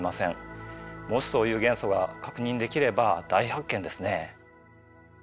もしそういう元素が確認できれば大発見ですね。